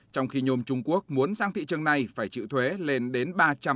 trong khi nhôm trung quốc muốn sang thị trường này phải chịu thuế lên đến ba trăm bảy mươi bốn